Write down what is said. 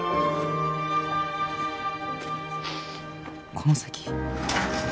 「この先」